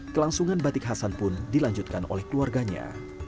kelangsungan batik hasan pun dilanjutkan oleh keluarganya